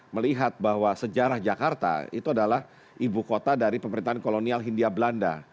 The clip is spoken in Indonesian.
melihat bahwa sejarah jakarta itu adalah ibu kota dari pemerintahan kolonial hindia belanda